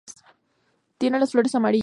Tiene las flores amarillas.